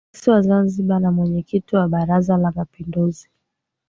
Rais wa Zanzibar na Mwenyekiti wa Baraza la Mapinduzi